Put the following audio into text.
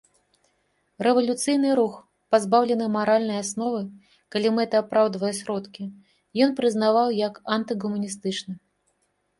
Рэвалюцыйны рух, пазбаўлены маральнай асновы, калі мэта апраўдвае сродкі, ён прызнаваў як антыгуманістычны.